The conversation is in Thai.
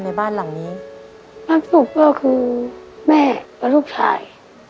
ในบ้านหลังนี้พักสุขก็คือแม่กับลูกชาย